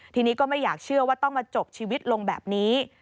ทีนี้ก็ไม่อยากเชื่อว่าต้องมาจบชีวิตลงแบบนี้